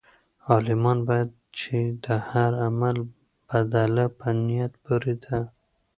عالمان وایي چې د هر عمل بدله په نیت پورې ده.